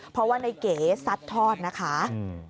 เพราะว่าในเก๋ซัดทอดนะคะอืม